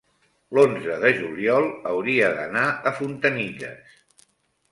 l'onze de juliol hauria d'anar a Fontanilles.